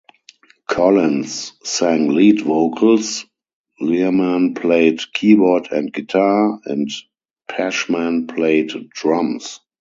Collins sang lead vocals, Lerman played keyboard and guitar, and Pashman played drums.